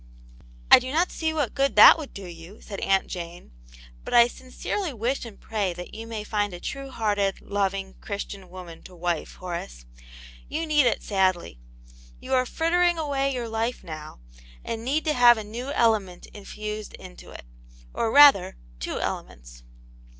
"I do not see what good that would do you," said Aunt Jane. "But I sincerely wish and pray that you may find a true hearted, loving, Christian woman to wife, Horace. You need it sadly. You are frittering away your life now, and need to have a new element infused into it. Or rather, two ele ments."